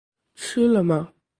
吃了吗